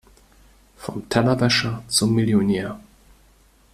Vom Tellerwäscher zum Millionär.